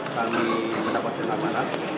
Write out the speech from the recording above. kami mendapatkan aparat